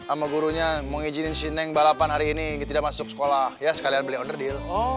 sama gurunya mau izin sinen balapan hari ini tidak masuk sekolah ya sekalian beli onerdil